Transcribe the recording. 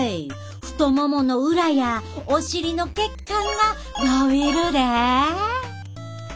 太ももの裏やお尻の血管がのびるで。